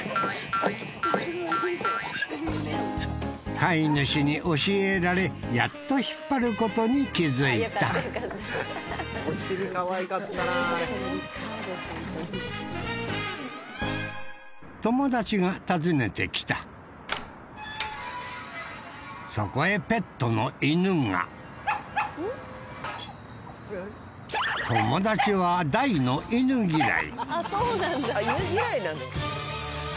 飼い主に教えられやっと引っ張ることに気づいた友達が訪ねてきたそこへペットの犬が友達は大の犬嫌い